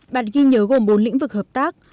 bản ghi nhớ gồm bốn lĩnh vực hợp tác